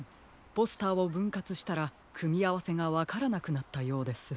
ポスターをぶんかつしたらくみあわせがわからなくなったようです。